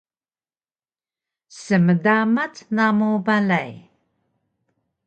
Smdamac namu balay!